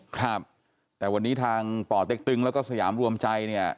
ครับแต่วันนี้ทางป่อเต็กตึงแล้วก็สยามรวมใจเนี่ย